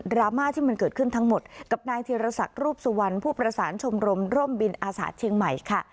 ราม่าที่มันเกิดขึ้นทั้งหมดกับนายธีรศักดิ์รูปสุวรรณผู้ประสานชมรมร่มบินอาสาเชียงใหม่ค่ะ